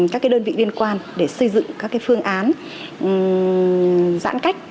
các đơn vị liên quan để xây dựng các phương án giãn cách